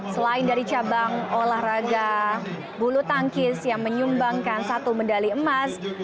selain dari cabang olahraga bulu tangkis yang menyumbangkan satu medali emas